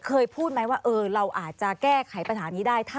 เคยพูดไหมว่าเราอาจจะแก้ไขปัญหานี้ได้